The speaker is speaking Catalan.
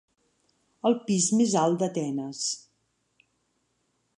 El pis més alt d'Atenes.